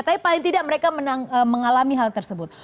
tapi paling tidak mereka mengalami hal tersebut